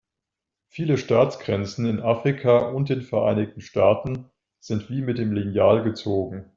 Viele Staatsgrenzen in Afrika und den Vereinigten Staaten sind wie mit dem Lineal gezogen.